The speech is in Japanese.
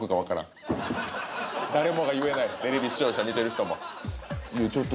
誰もが言えないテレビ視聴者見てる人も。